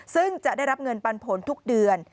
ซึ่งจะได้รับเงินปันผลทุกเดือน